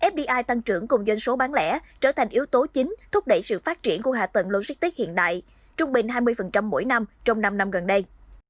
fdi tăng trưởng cùng doanh số bán lẻ trở thành yếu tố chính thúc đẩy sự phát triển của hạ tầng logistics hiện đại trung bình hai mươi mỗi năm trong năm năm gần đây